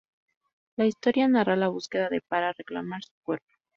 La historia narra la búsqueda de para reclamar su cuerpo.